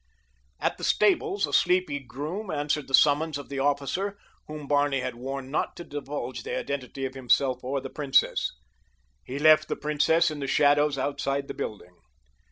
At the stables a sleepy groom answered the summons of the officer, whom Barney had warned not to divulge the identity of himself or the princess. He left the princess in the shadows outside the building.